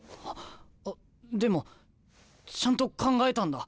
あっでもちゃんと考えたんだ。